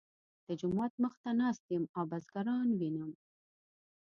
د جومات مخ ته ناست یم او بزګران وینم.